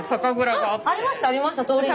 あっありましたありました通りに。